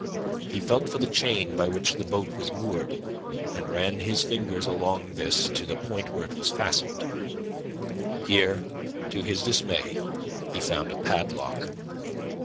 He felt for the chain by which the boat was moored, and ran his fingers along this to the point where it was fastened. Here to his dismay he found a padlock.